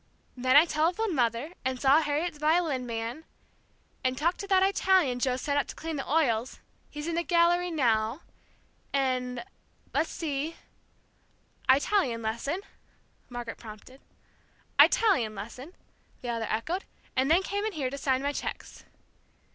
then I telephoned mother, and saw Harriet's violin man, and talked to that Italian Joe sent up to clean the oils, he's in the gallery now, and let's see " "Italian lesson," Margaret prompted. "Italian lesson," the other echoed, "and then came in here to sign my cheques."